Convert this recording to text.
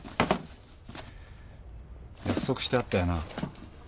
約束してあったよな。